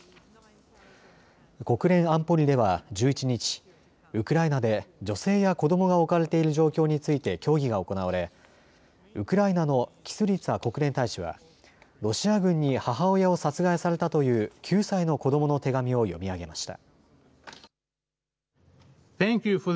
国連安保理では１１日、ウクライナで女性や子どもが置かれている状況について協議が行われ、ウクライナのキスリツァ国連大使はロシア軍に母親を殺害されたという９歳の子どもの手紙を読み上げました。